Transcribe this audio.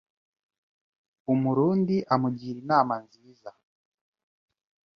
Umurundi amugira inama nziza